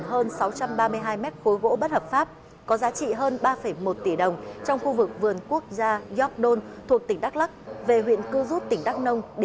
hơn sáu mươi bốn mét khối trong vườn quốc gia york dome của sở tài chính đắk lắk